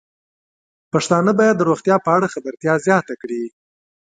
پښتانه بايد د روغتیا په اړه خبرتیا زياته کړي.